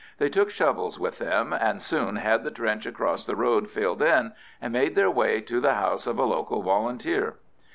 They took shovels with them, and soon had the trench across the road filled in, and made their way to the house of a local Volunteer.